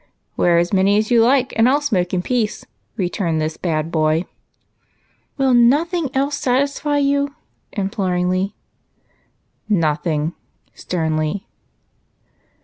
"Wear as many as you like, and I'll smoke in peace," returned this bad boy. " Will notlmig else satisfy you ?" imploringly. " Nothing," sternly.